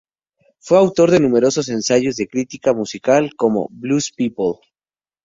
Fue autor de numerosos ensayos de crítica musical, como ""Blues People"".